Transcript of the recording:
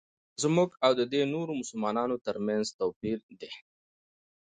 زموږ او ددې نورو مسلمانانو ترمنځ څه توپیر دی.